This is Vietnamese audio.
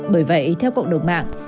bởi vậy theo cộng đồng mạng